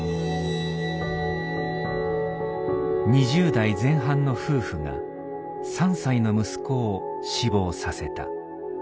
２０代前半の夫婦が３歳の息子を死亡させた。